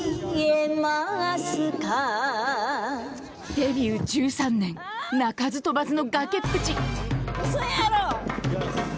デビュー１３年鳴かず飛ばずの崖っぷち。